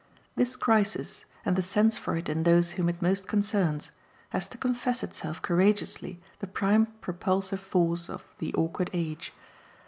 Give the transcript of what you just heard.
This crisis, and the sense for it in those whom it most concerns, has to confess itself courageously the prime propulsive force of "The Awkward Age."